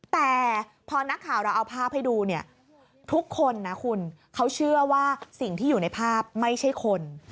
แต่พอนักข่าวเราเอาภาพให้ดูเนี่ยทุกคนนะคุณเขาเชื่อว่าสิ่งที่อยู่ในภาพไม่ใช่คน